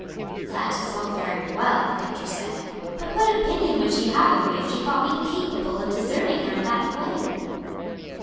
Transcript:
"That is all very well," Victor said; "but what opinion would she have of me if she thought me capable of deserting her in that way?"